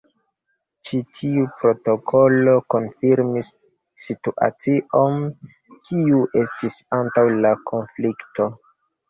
Ĉi tiu protokolo konfirmis situacion kiu estis antaŭ la konflikto.